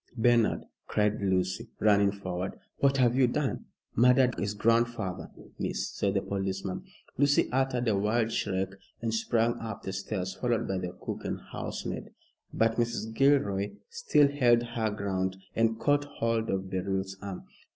"Bernard," cried Lucy, running forward, "what have you done?" "Murdered his grandfather, miss," said the policeman. Lucy uttered a wild shriek and sprang up the stairs, followed by the cook and housemaid. But Mrs. Gilroy still held her ground and caught hold of Beryl's arm.